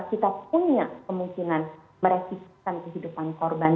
kita punya kemungkinan meresiskan kehidupan korban